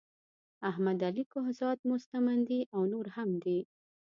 احمد علی کهزاد مستمندي او نور هم دي.